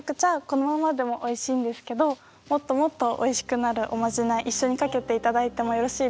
このままでもおいしいんですけどもっともっとおいしくなるおまじない一緒にかけて頂いてもよろしいですか？